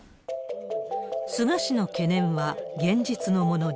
菅氏の懸念は現実のものに。